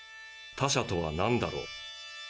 他者とはなんだろう。